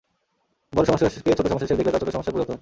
বড় সমস্যাকে ছোট সমস্যা হিসেবে দেখলে তা ছোট সমস্যায় পরিণত হয়।